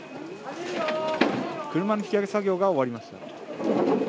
車の引き上げ作業が終わりま